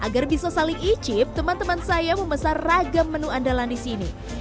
agar bisa saling icip teman teman saya memesan ragam menu andalan di sini